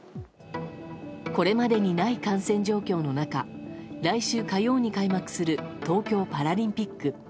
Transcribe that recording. これまでにない感染状況の中来週火曜に開幕する東京パラリンピック。